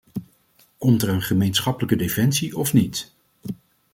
Komt er een gemeenschappelijke defensie of niet?